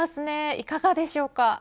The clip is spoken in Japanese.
いかがでしょうか。